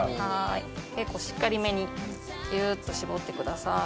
結構しっかりめにギュっと絞ってください。